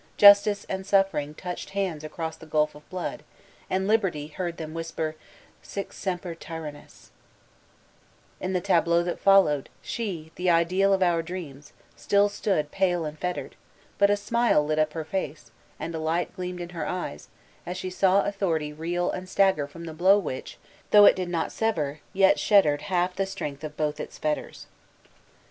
Justice and Suffering touched hands across the gulf of blood, and Liberty heard them whis per, *'Sic semper tyromnis/' In the tableau that followed, she, the ideal of our dreams, still stood pale and fettered ; but a smile lit up her face and a light gleamed in her eyes as she saw Authority reel and stagger from the blow which, though it did not sever, yet shattered half the strength of both its fetters.